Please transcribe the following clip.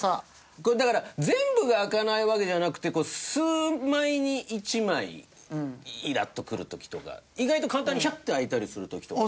これだから全部が開かないわけじゃなくて数枚に１枚イラッとくる時とか意外と簡単にヒャッて開いたりする時とか。